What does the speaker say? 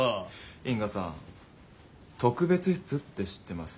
因果さん特別室って知ってます？